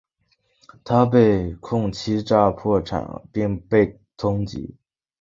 他被控欺诈破产并被通缉。